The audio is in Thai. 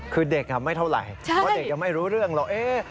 คือเด็กไม่เท่าไหร่เพราะเด็กยังไม่รู้เรื่องหรอก